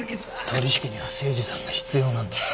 取引には誠司さんが必要なんだぞ。